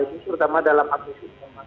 terutama dalam agresif